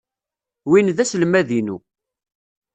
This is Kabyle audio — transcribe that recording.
Win d aselmad-inu.